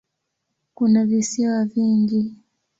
Kuna visiwa vingi.